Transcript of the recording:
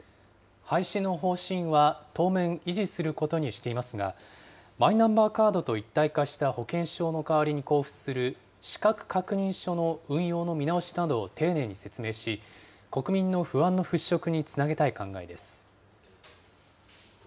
廃止の方針は当面維持することにしていますが、マイナンバーカードと一体化した保険証の代わりに交付する、資格確認書の運用の見直しなどを丁寧に説明し、国民の不安の払拭につなげたい考えです。